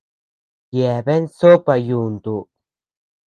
Yeabean sópa yuntu.